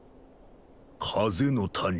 風の谷。